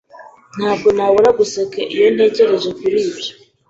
Ntabwo nabura guseka iyo ntekereje kuri ibyo.